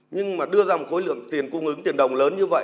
nhưng mà đưa ra một khối lượng tiền cung ứng tiền đồng lớn như vậy